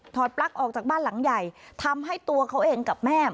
ปลั๊กออกจากบ้านหลังใหญ่ทำให้ตัวเขาเองกับแม่